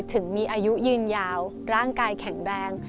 ถึงมีอายุยืนยาวร่างกายแข็งแรง